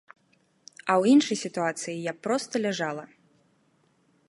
А ў іншай сітуацыі я б проста ляжала.